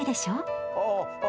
ああ。